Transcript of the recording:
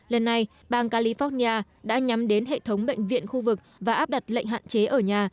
lần này bang california đã nhắm đến hệ thống bệnh viện khu vực và áp đặt lệnh hạn chế ở nhà